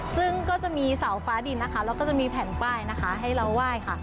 ซึ่งก็จะมีเสาฟ้าดินนะคะแล้วก็จะมีแผ่นป้ายนะคะให้เราไหว้ค่ะ